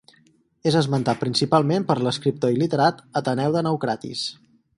És esmentat principalment per l'escriptor i literat Ateneu de Naucratis.